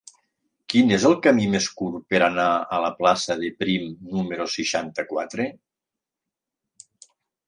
Quin és el camí més curt per anar a la plaça de Prim número seixanta-quatre?